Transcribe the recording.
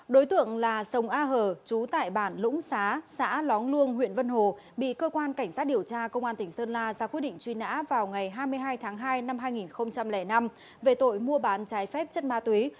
đối tượng là sông a hờ trú tại bản lũng xá xã lóng luông huyện vân hồ bị cơ quan cảnh sát điều tra công an tỉnh sơn la ra quyết định truy nã vào ngày hai mươi hai tháng hai năm hai nghìn năm về tội mua bán trái phép chất ma túy